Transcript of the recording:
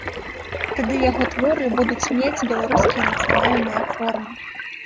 Тады яго творы будуць мець беларускія нацыянальныя формы.